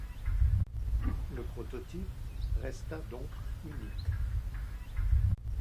Le prototype resta donc unique.